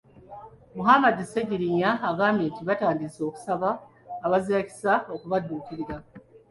Muhammad Sseggirinya, agambye nti batandise okusaba abazirakisa okubadduukirira.